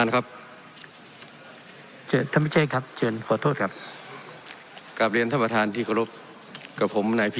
ขอให้หลีกเลี่ยงบุคคลบานอกครับ